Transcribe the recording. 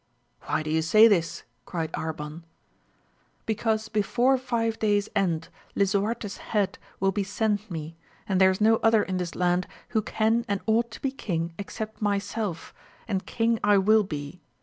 Why do you say this? cried ArbaiL Because before five days end Lisuarte's head will 1 sent me, and there is no other in this land who ca and ought to be king except myself, and king I wi be